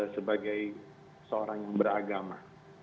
sebagai seorang yang beragama